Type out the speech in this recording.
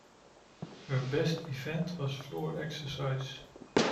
Her best event was floor exercise.